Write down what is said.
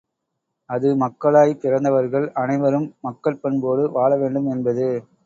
அது மக்களாய்ப் பிறந்தவர்கள் அனைவரும் மக்கட் பண்போடு வாழவேண்டும் என்பது.